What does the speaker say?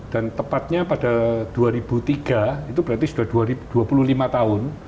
dan tepatnya pada dua ribu tiga itu berarti sudah dua puluh lima tahun